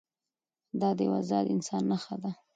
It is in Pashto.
دا د یوه ازاد انسان نښه ده.